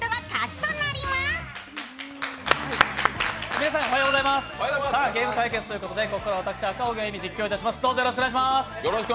皆さん、おはようございますゲーム対決ということでここからは私、赤荻歩が実況いたします。